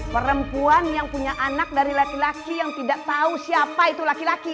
perempuan yang punya anak dari laki laki yang tidak tahu siapa itu laki laki